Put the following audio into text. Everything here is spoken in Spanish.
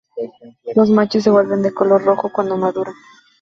Los machos se vuelven de color rojo cuando maduran.